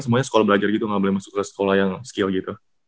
semuanya sekolah belajar gitu nggak boleh masuk ke sekolah yang skill gitu